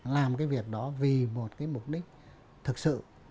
làm cái việc đó vì một cái mục đích thực sự